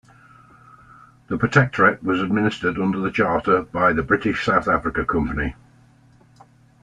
The protectorate was administered under charter by the British South Africa Company.